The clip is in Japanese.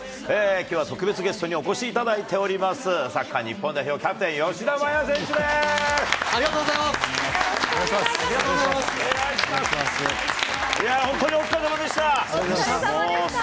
きょうは特別ゲストにお越しいただいております、サッカー日本代ありがとうございます。